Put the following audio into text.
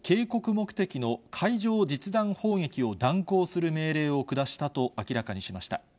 目的の海上実弾砲撃を団交する命令を下したと明らかにしました。